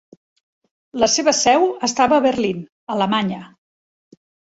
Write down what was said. La seva seu estava a Berlin, Alemanya.